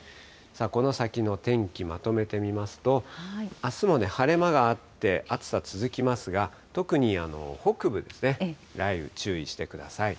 この先の天気まとめてみますと、あすも晴れ間があって、暑さ続きますが、とくに北部ですね、雷雨、注意してください。